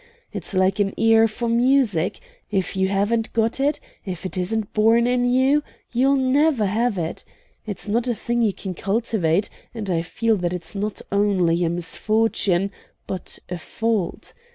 It's like an ear for music; if you haven't got it, if it isn't born in you, you'll never have it. It's not a thing you can cultivate, and I feel that it's not only a misfortune, but a fault.